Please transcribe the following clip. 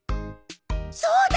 そうだ！